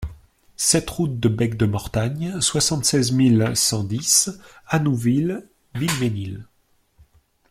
sept route de Bec de Mortagne, soixante-seize mille cent dix Annouville-Vilmesnil